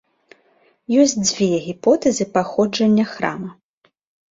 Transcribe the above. Ёсць дзве гіпотэзы паходжання храма.